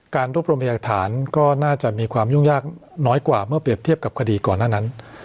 การรวบรวมพยากฐานก็น่าจะมีความยุ่งยากน้อยกว่าเมื่อเปรียบเทียบกับคดีก่อนหน้านั้น